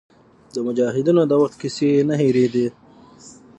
د مجاهدینو د وخت کیسې یې نه هېرېدې.